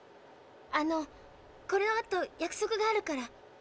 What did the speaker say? あのこのあと約束があるから。